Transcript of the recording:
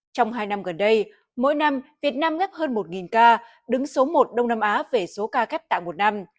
trong hai năm gần đây mỗi năm việt nam nhắc hơn một ca đứng số một đông nam á về số ca ghép tạng một năm